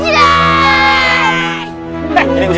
wah udah pagi